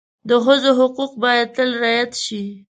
د ښځو حقوق باید تل رعایت شي.